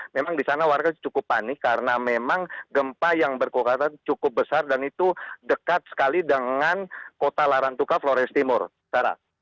memang di sana warga cukup panik karena memang gempa yang berkekuatan cukup besar dan itu dekat sekali dengan kota larantuka flores timur sarah